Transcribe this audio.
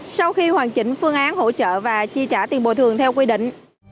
sau khi hoàn chỉnh phương án hỗ trợ và chi trả tiền bồi thường theo quy định